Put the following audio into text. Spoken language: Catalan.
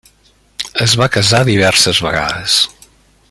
Es va casar diverses vegades.